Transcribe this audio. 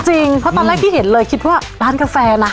เพราะตอนแรกที่เห็นเลยคิดว่าร้านกาแฟล่ะ